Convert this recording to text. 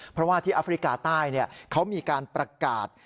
เพราะว่าที่แอฟริกาใต้เขามีการประกาศ